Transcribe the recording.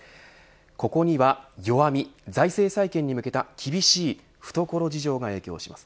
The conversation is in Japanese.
ここには弱み財政再建に向けた厳しい懐事情が影響します。